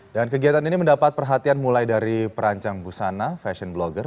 dan kegiatan ini mendapat perhatian mulai dari perancang busana fashion blogger